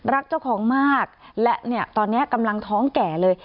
รักเจ้าของมากและเนี่ยตอนนี้กำลังท้องแก่เลย